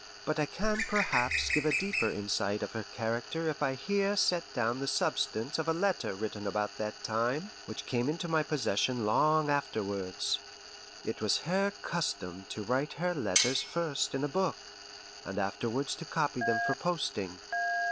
But I can perhaps give a deeper insight of her character if I here set down the substance of a letter written about that time, which came into my possession long afterwards. It was her custom to write her letters first in a book, and afterwards to copy them for posting.